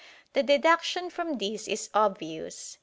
The deduction from this is obvious.